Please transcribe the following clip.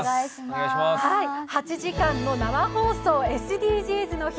８時間の生放送、「ＳＤＧｓの日」